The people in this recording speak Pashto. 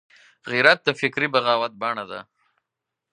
غیرت د فکري بغاوت بڼه ده